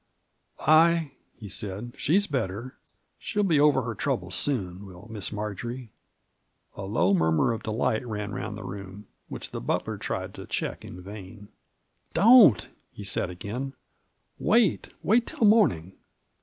"Ay," he said, "she's better. She'll be over her trouble soon, will Miss Marjory!" A low murmur of delight ran round the room, which the butler tried to check in vain. "Don't!" he said again, "wait — ^wait till morning.